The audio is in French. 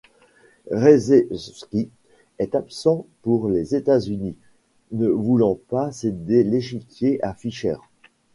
Reshevsky est absent pour les États-Unis, ne voulant pas céder l'échiquier à Fischer.